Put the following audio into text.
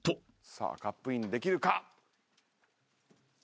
さあカップインできるか？